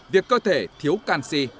việc cơ thể thiếu canxi